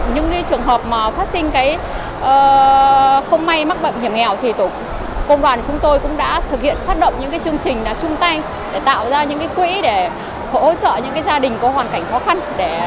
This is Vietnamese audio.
những trường hợp phát sinh không may mắc bậm hiểm nghèo thì công đoàn chúng tôi cũng đã thực hiện phát động những chương trình chung tay để tạo ra những quỹ để hỗ trợ những gia đình có hoàn cảnh khó khăn